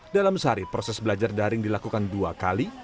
dalam sehari proses belajar daring dilakukan dua kali